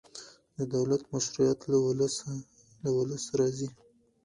د دولت مشروعیت له ولس راځي